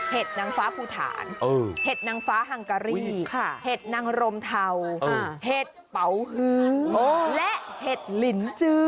นางฟ้าภูฐานเห็ดนางฟ้าฮังการี่เห็ดนางรมเทาเห็ดเป๋าฮือและเห็ดลินจื้อ